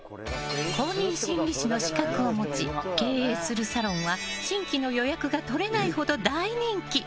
公認心理師の資格を持ち経営するサロンは新規の予約が取れないほど大人気。